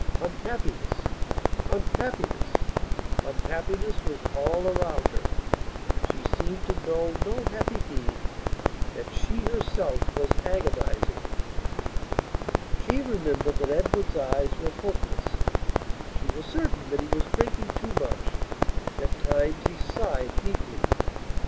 Unhappiness; unhappiness; unhappiness was all around her. She seemed to know no happy being and she herself was agonizing.... She remembered that Edward's eyes were hopeless; she was certain that he was drinking too much; at times he sighed deeply.